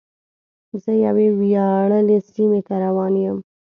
زه یوې ویاړلې سیمې ته روان یم.